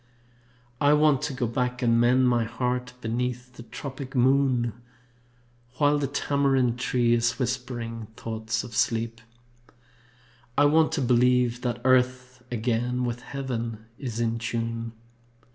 I want to go back and mend my heart Beneath the tropic moon, While the tamarind tree is whispering thoughts of sleep. I want to believe that Earth again With Heaven is in tune.